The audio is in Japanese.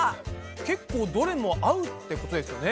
けっこうどれも合うってことですよね。